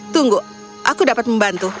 tunggu aku dapat membantu